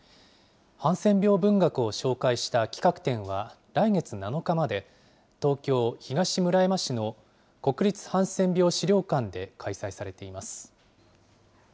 ハンセン病文学を紹介した企画展は来月７日まで、東京・東村山市の国立ハンセン病資料館で開催されています。